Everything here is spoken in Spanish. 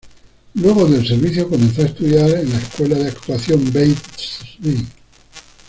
Luego del servicio comenzó a estudiar en la escuela de actuación Beit Tzvi.